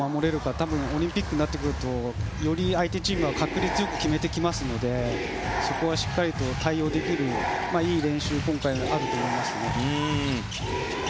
多分、オリンピックになるとより相手チームは確率よく決めてきますのでそこはしっかりと対応できるいい練習に今回はなると思いますね。